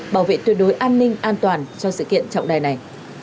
bảo vệ tuyệt đối an ninh an toàn cho sự kiện trọng đại này